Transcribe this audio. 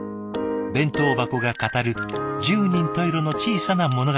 弁当箱が語る十人十色の小さな物語。